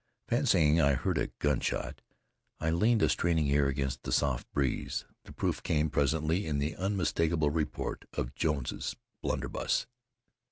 Fancying I heard a gunshot, I leaned a straining ear against the soft breeze. The proof came presently in the unmistakable report of Jones's blunderbuss.